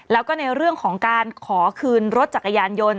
แล้วก็ในเรื่องของการขอคืนรถจักรยานยนต์